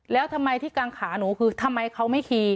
แล้วทำไมที่กลางขาหนูคือทำไมเขาไม่ขี่